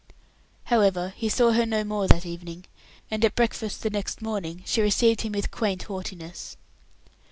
However, he saw no more of her that evening, and at breakfast the next morning she received him with quaint haughtiness.